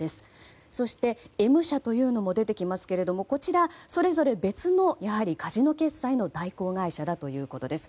そしてＭ社というのも出てきますがこちらそれぞれ別のカジノ決済の代行会社ということです。